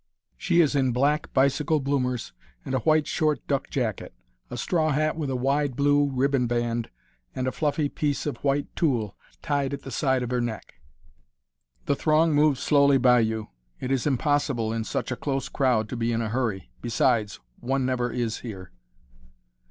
She is in black bicycle bloomers and a white, short duck jacket a straw hat with a wide blue ribbon band, and a fluffy piece of white tulle tied at the side of her neck. The throng moves slowly by you. It is impossible, in such a close crowd, to be in a hurry; besides, one never is here.